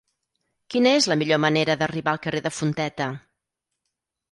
Quina és la millor manera d'arribar al carrer de Fonteta?